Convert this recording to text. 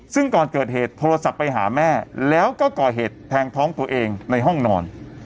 ซึ่งก่อนเกิดเหตุโทรศัพท์ไปหาแม่แล้วก็ก่อเหตุแทงท้องตัวเองในห้องนอน